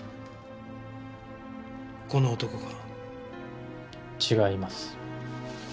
この男か？違います。